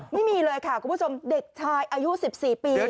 ไม่มีเลยค่ะคุณผู้ชมเด็กชายอายุ๑๔ปี